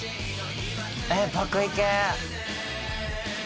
えっ爆イケ！